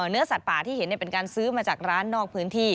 เนื้อสัตว์ป่าที่เห็นเป็นการซื้อมาจากร้านนอกพื้นที่